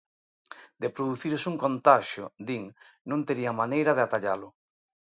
De producirse un contaxio, din, non terían maneira de atallalo.